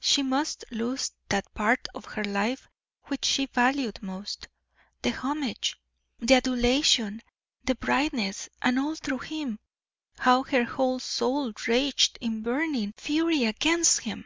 She must lose that part of her life which she valued most the homage, the adulation, the brightness, and all through him. How her whole soul raged in burning fury against him!